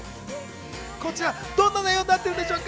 こちら、どんな内容になってるでしょうか？